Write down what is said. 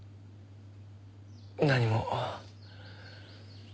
何も。